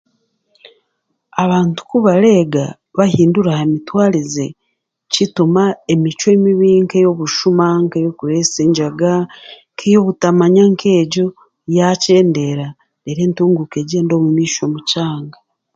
Abantu kubareega bahindura aha mitwarize, kituma emicwe mibi nk'eyobushuma, nk'eyokureesa engyaga nk'eyobutamanya nk'egyo yaakyendeera reero entunguuka egyende omumaisho omu kyanga